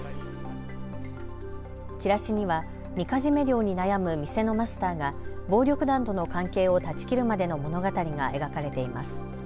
チラシには、みかじめ料に悩む店のマスターが暴力団との関係を断ち切るまでの物語が描かれています。